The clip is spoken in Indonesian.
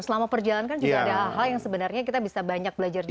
selama perjalankan juga ada hal hal yang sebenarnya kita bisa banyak belajar juga